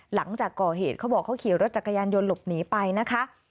หลังจากก่อเหตุเขาบอกเขาขี่รถจักรยานยนต์หลบหนีไปนะคะ